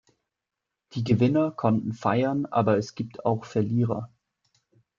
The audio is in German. Die Gewinner konnten feiern, aber es gibt auch Verlierer.